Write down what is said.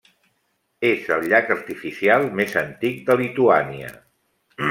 És el llac artificial més antic de Lituània.